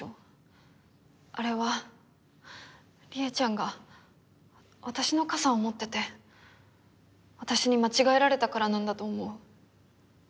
あれはりえちゃんが私の傘を持ってて私に間違えられたからなんだと思う。